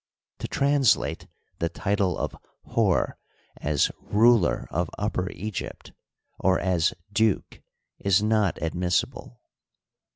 To translate the title of Hor as ruler of Upper Egypt," or as "duke," is not admissible.